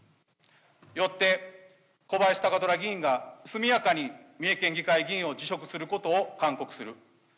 よって小林貴虎議員が速やかに三重県議会議員を辞職することを勧告する。